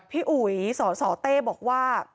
พี่อุ๋ยสเต้บอกว่า